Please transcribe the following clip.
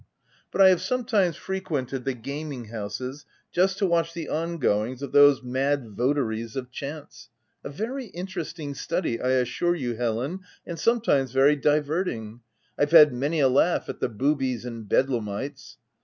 But I have sometimes frequented the gaming houses just to watch the on goings of those mad votaries of chance — a very in teresting study, I assure you, Helen, and some times very diverting : I've had many a laugh at the boobies and bedlamites.